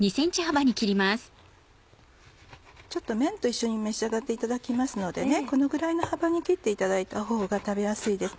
めんと一緒に召し上がっていただきますのでこのぐらいの幅に切っていただいたほうが食べやすいです。